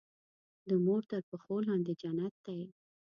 د مور تر پښو لاندې جنت دی.